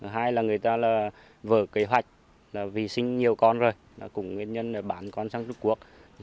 hai là người ta vỡ kế hoạch vì sinh nhiều con rồi cũng nguyên nhân bán con sang trung quốc